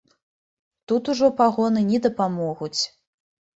Тут ужо пагоны не дапамогуць.